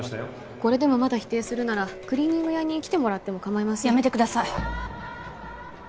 これでも否定するならクリーニング屋に来てもらってもかまいませんやめてください